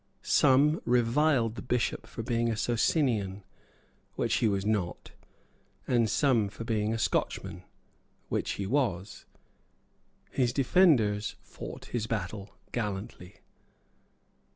Some reviled the Bishop for being a Socinian, which he was not, and some for being a Scotchman, which he was. His defenders fought his battle gallantly.